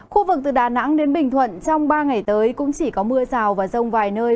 khu vực từ đà nẵng đến bình thuận trong ba ngày tới cũng chỉ có mưa rào và rông vài nơi